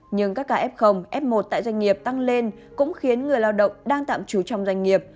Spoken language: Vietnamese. nhưng các ca f f một tại doanh nghiệp tăng lên cũng khiến người lao động đang tạm trú trong doanh nghiệp